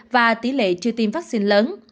và tỷ lệ chưa tiêm vaccine lớn